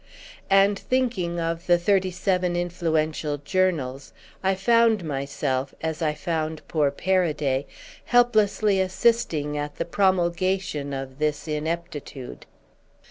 And thinking of the thirty seven influential journals, I found myself, as I found poor Paraday, helplessly assisting at the promulgation of this ineptitude.